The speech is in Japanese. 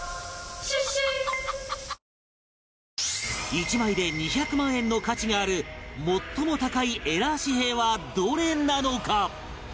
１枚で２００万円の価値がある最も高いエラー紙幣はどれなのか？